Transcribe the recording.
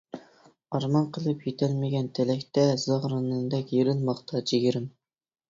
ئارمان قىلىپ يىتەلمىگەن تىلەكتە، زاغرا ناندەك يېرىلماقتا جىگىرىم.